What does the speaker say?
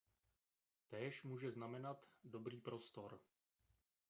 Též může znamenat "dobrý prostor".